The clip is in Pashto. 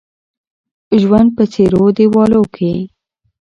ژوند په څيرو دېوالو کې